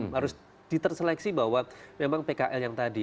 harus diterseleksi bahwa memang pkl yang tadi